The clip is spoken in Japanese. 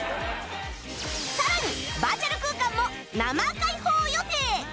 さらにバーチャル空間も生開放予定！